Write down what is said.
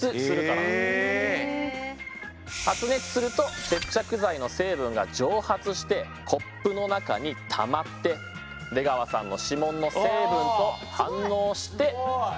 発熱すると接着剤の成分が蒸発してコップの中にたまって出川さんの指紋の成分と反応して固まるんです。